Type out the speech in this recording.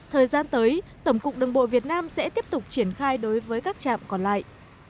thời gian tới tổng cục đường bộ việt nam sẽ tiếp tục triển khai đối với các trạm còn lại